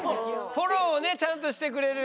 フォローをねちゃんとしてくれる。